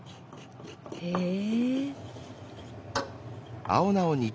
へえ。